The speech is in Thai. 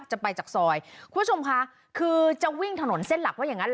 จะไปจากซอยคุณผู้ชมค่ะคือจะวิ่งถนนเส้นหลักว่าอย่างนั้น